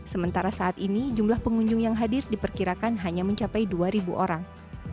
sementara saat ini jumlah pengunjung yang hadir diperkirakan hanya mencapai dua orang